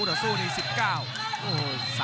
คมทุกลูกจริงครับโอ้โห